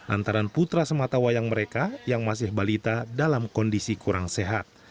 antara putra sematawayang mereka yang masih balita dalam kondisi kurang sehat